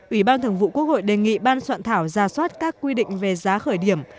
ủy ban thường vụ quốc hội đề nghị ban soạn thảo ra soát các quy định về giá khởi điểm